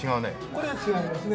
これは違いますね。